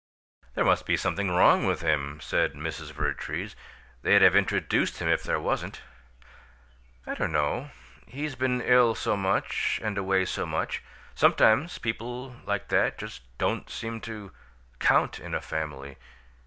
"There must be something wrong with him," said Mrs. Vertrees. "They'd have introduced him if there wasn't." "I don't know. He's been ill so much and away so much sometimes people like that just don't seem to 'count' in a family.